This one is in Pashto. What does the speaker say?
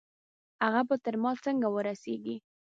هغه به تر ما څنګه ورسېږي؟